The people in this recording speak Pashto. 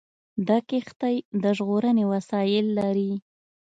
دا کښتۍ د ژغورنې وسایل لري.